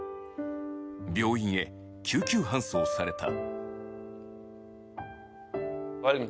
病院へ救急搬送された。